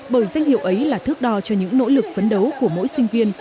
bởi danh hiệu ấy là thước đo cho những nỗ lực phấn đấu của mỗi sinh viên